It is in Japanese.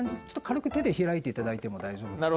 ちょっと軽く手で開いていただいても大丈夫。